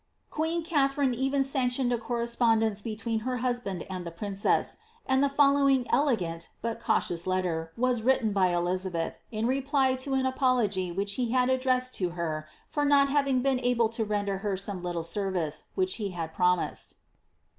Queen Katharine even sanctioned a correspondence between her husband and the princess, and the follow ing elegant, but cautious letter, was written by Eliza l)eth, in reply to an apoli>g]k' which he had addressed to her for not having been able to ren der her some little service which he had promised.